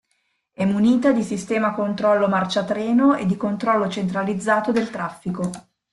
È munita di Sistema Controllo Marcia Treno e di Controllo Centralizzato del Traffico.